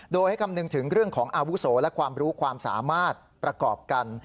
โดยให้คำนึงถึงเรื่องของอาวุโสและความรู้ความสามารถประกอบกัน